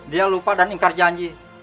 dia lupa dan ingkar janji